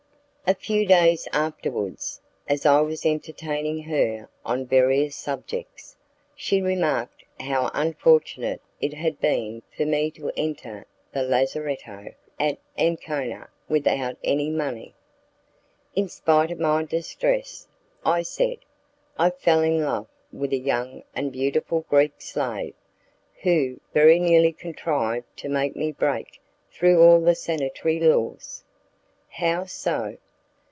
A few days afterwards, as I was entertaining her on various subjects, she remarked how unfortunate it had been for me to enter the lazzaretto at Ancona without any money. "In spite of my distress," I said, "I fell in love with a young and beautiful Greek slave, who very nearly contrived to make me break through all the sanitary laws." "How so?"